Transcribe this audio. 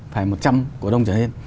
phải một trăm linh cổ đông trở nên